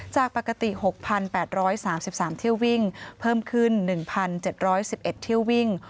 จากปกติ๖๘๓๓เที่ยววิ่งเพิ่มขึ้น๑๗๑๑เที่ยววิ่ง